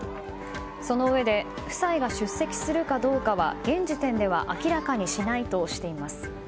そのうえで夫妻が出席するかどうかは現時点では明らかにしないとしています。